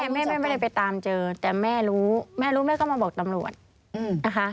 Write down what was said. แม่ไม่ได้ไปตามเจอแต่แม่รู้แม่รู้แม่ก็มาบอกตำรวจนะคะ